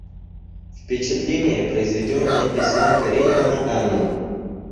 Впечатление, произведенное письмом Каренина на Анну.